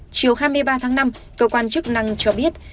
chiều hai mươi ba tháng năm cơ quan chức năng cho biết